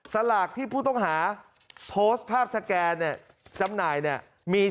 สลากที่ผู้ต้องหาโพสต์ภาพสแกนเนี่ยจำหน่ายเนี่ยมี